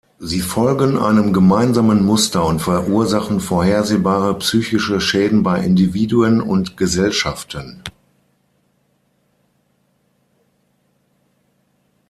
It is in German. Sie folgen einem gemeinsamen Muster und verursachen vorhersehbare psychische Schäden bei Individuen und Gesellschaften.